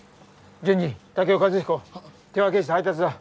順次健男和彦手分けして配達だ。